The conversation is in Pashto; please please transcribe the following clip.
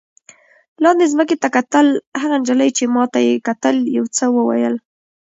لاندې ځمکې ته کتل، هغې نجلۍ چې ما ته یې کتل یو څه وویل.